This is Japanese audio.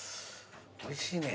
おいしいね。